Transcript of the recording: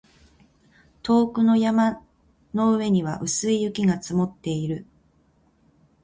遠くの山の上には薄い雪が積もっている